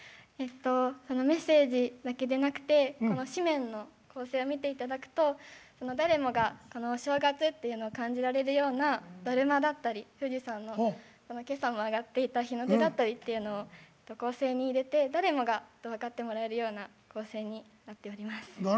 メッセージだけでなくて紙面の構成を見ていただくと誰もがお正月というのを感じていただけるようなだるまだったり富士山の今朝もあがっていた日の出であったりというのを構成に入れて誰もが分かってもらえるような構成になっております。